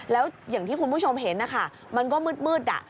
แล้วอย่างที่คุณผู้ชมเห็นนะคะมันก็มืด